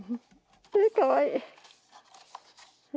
かわいい。